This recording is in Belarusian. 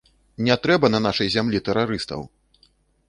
Не трэба на нашай зямлі тэрарыстаў!